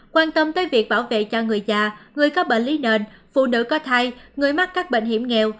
quan tâm tới việc bảo vệ cho người già người có bệnh lý nền phụ nữ có thai người mắc các bệnh hiểm nghèo